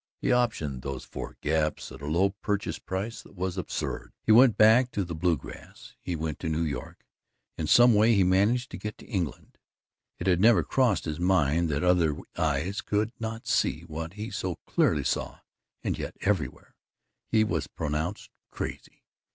He optioned those four gaps at a low purchase price that was absurd. He went back to the Bluegrass; he went to New York; in some way he managed to get to England. It had never crossed his mind that other eyes could not see what he so clearly saw and yet everywhere he was pronounced crazy.